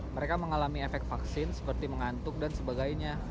mereka mengalami efek vaksin seperti mengantuk dan sebagainya